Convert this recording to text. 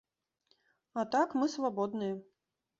А так, мы свабодныя.